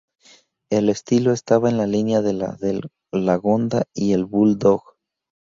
El estilo estaba en la línea de la del Lagonda y el Bulldog.